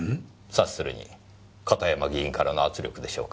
察するに片山議員からの圧力でしょうか？